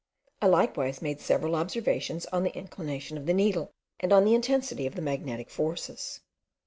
I likewise made several observations on the inclination of the needle, and on the intensity of the magnetic forces.